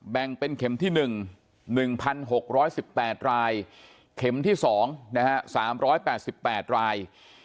แบ่งเป็นเข็มที่๑๑๖๑๘รายเข็มที่๒๓๘๘ราย